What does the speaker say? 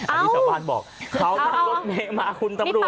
อันนี้ชาวบ้านบอกเขานั่งรถเมย์มาคุณตำรวจ